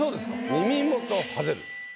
「耳元爆ぜる」。